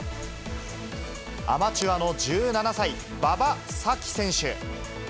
アマチュアの１７歳、馬場咲希選手。